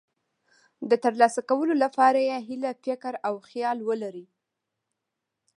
د ترلاسه کولو لپاره یې هیله، فکر او خیال ولرئ.